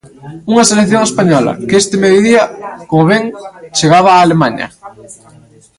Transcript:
Unha selección española que este mediodía, como ven, chegaba a Alemaña.